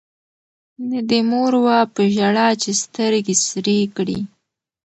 نه دي مور وه په ژړا چي سترګي سرې کړي